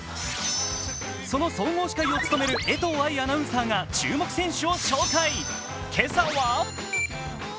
その総合司会を務める江藤愛アナウンサーが注目選手を紹介。